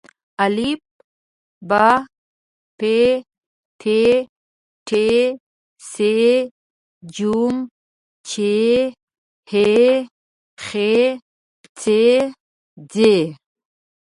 ا ب پ ت ټ ث ج چ ح خ څ ځ